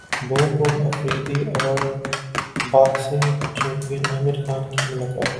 boom boom Afridi اور boxing champion Aamir Khan کی ملاقات